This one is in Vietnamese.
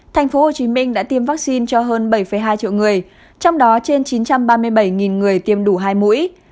tp hcm đã tiêm vaccine cho hơn bảy hai triệu người trong đó trên chín trăm ba mươi bảy người tiêm đủ hai mũi